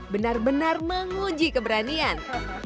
benar benar menguji keberanian